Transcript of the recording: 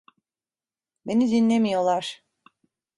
Beni dinlemiyorlar.